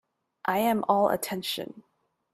I am all attention.